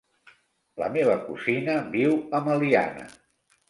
La meva cosina viu a Meliana.